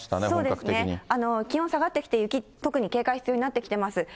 そうですね、気温下がってきて、雪、特に警戒必要になってきています。